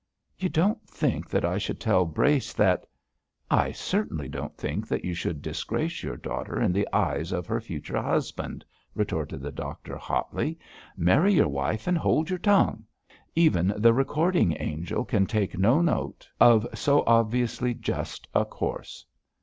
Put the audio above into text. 'You don't think that I should tell Brace that ?' 'I certainly don't think that you should disgrace your daughter in the eyes of her future husband,' retorted the doctor, hotly; 'marry your wife and hold your tongue. Even the Recording Angel can take no note of so obviously just a course.'